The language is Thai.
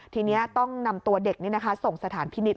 ทีนี้ต้องนำตัวเด็กส่งสถานพินิษฐ